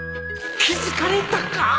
気付かれたか？